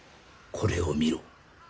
これを見ろ。